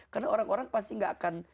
karena orang orang pasti gak akan